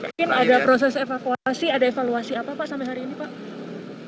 mungkin ada proses evakuasi ada evaluasi apa pak sampai hari ini pak